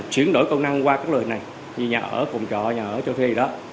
chuyển đổi công năng qua các lợi hình này như nhà ở phòng trọ nhà ở cho thuê gì đó